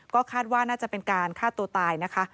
ก็คาดว่าน่าจะเป็นการฆ่าตัวตายนะคะ